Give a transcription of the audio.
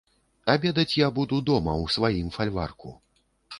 Абедаць я буду дома, у сваім фальварку.